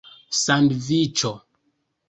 sandviĉo